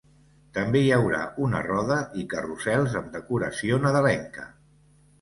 També hi haurà una roda i carrusels amb decoració nadalenca.